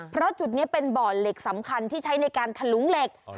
เพราะจุดนี้เป็นบ่อเหล็กสำคัญที่ใช้ในการถลุงเหล็ก